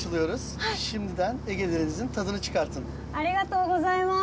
ありがとうございます！